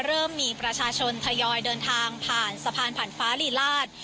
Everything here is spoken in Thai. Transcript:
เริ่มมีประชาชนทยอยเดินทางผ่านสะพานผ่านฟ้าลีลาศ